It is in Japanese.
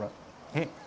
えっ。